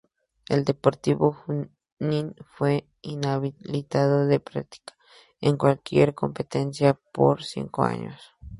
El Deportivo Junín fue inhabilitado de participar en cualquier competencia por cinco años.